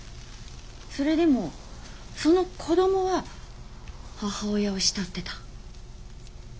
それでもその子供は母親を慕ってた。